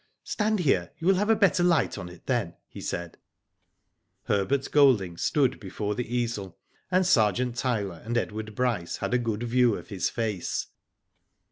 " Stand here, you will have a better light oil it then," he said. Herbert Golding stood before the easel, and Sergeant Tyler and Edward Bryce had a good view of his face.